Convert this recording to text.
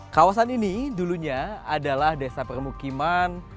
kawasan ini dulunya adalah desa permukiman